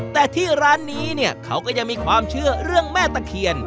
แต่ที่ร้านนี้เนี่ยเขาก็ยังมีความเชื่อเรื่องแม่ตะเคียน